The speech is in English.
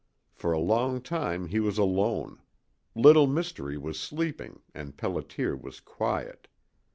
For a long time he was alone. Little Mystery was sleeping and Pelliter was quiet.